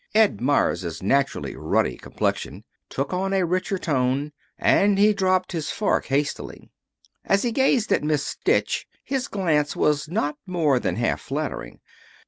Ed Meyers' naturally ruddy complexion took on a richer tone, and he dropped his fork hastily. As he gazed at Miss Stitch his glance was not more than half flattering.